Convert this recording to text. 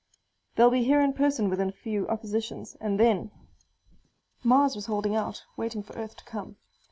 They'll be here in person within a few oppositions. And then " Mars was holding out, waiting for Earth to come.